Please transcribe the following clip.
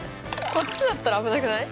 こっちだったら危なくない？